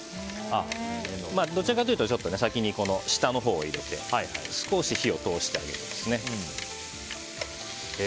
どちらかというと先に下のほうを入れて少し火を通してあげますね。